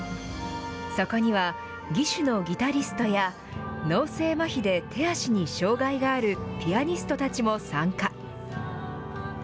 そこには、義手のギタリストや脳性まひで手足に障害があるピアニストたちも参加。